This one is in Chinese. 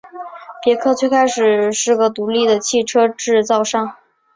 别克最开始是个独立的汽车制造商。